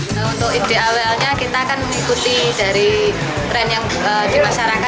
nah untuk ide awalnya kita kan mengikuti dari tren yang dimasyarakat